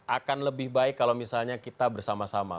akan lebih baik kalau misalnya kita bersama sama